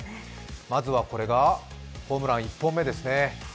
まずはこれがホームラン１本目ですね。